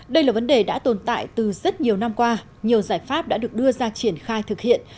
đây là vấn đề đã tồn tại từ rất nhiều năm qua nhiều giải pháp đã được đưa ra triển khai thực hiện